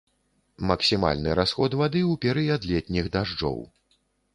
Максімальны расход вады ў перыяд летніх дажджоў.